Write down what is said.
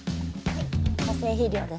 はい。